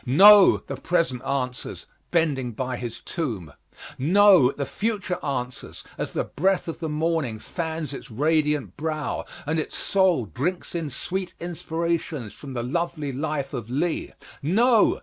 No! the present answers, bending by his tomb. No! the future answers as the breath of the morning fans its radiant brow, and its soul drinks in sweet inspirations from the lovely life of Lee. No!